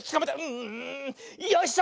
うんよいしょ！